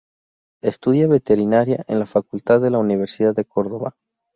Estudia Veterinaria en la facultad de la Universidad de Córdoba.